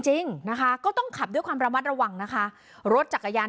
จริงนะคะก็ต้องขับด้วยความระมัดระวังนะคะรถจักรยาน